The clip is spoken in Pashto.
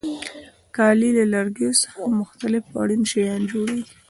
کالي له لرګیو څخه مختلف اړین شیان جوړیږي.